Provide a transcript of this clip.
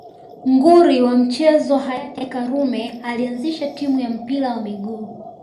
Nguri wa michezo hayati karume alianzisha timu ya mpira wa miguu